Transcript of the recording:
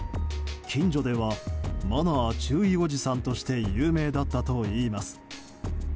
近所ではマナー注意おじさんとして有名だったといいます。